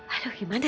aduh gimana ya